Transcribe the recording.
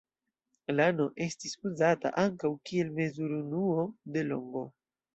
Lano estis uzata ankaŭ kiel mezurunuo de longo.